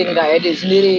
nggak edit sendiri